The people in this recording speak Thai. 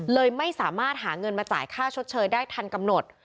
เลยไม่สามารถหาเงินมาจ่ายค่าชดเชยได้ทันกำหนด